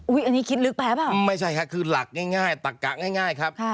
อุ๊ยอันนี้คิดลึกไปแล้วปะไม่ใช่ค่ะคือหลักง่ายตักกะง่ายครับ